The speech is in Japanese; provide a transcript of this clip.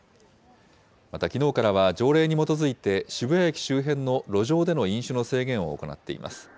またきのうからは条例に基づいて、渋谷駅周辺の路上での飲酒の制限を行っています。